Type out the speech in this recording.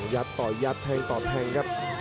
ยัดต่อยัดและกลับตัดครับ